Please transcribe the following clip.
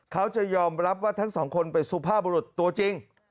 เขาจะยอมรับว่าทั้งสองคนเป็นสุภาพบรุษตัวจริง